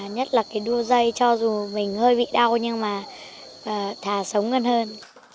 nhất là cái đu dây cho dù mình hơi bị đau nhưng mà thà sống hơn hơn